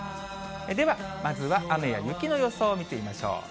では、まずは雨や雪の予想を見てみましょう。